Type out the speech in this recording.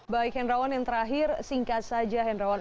baik henrawan yang terakhir singkat saja henrawan